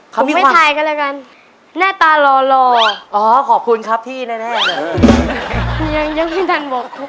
เขามีความผมไม่ถ่ายกันแล้วกัน